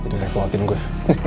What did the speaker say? udah kewakin gue